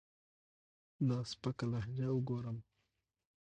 دا سپکه لهجه اوګورم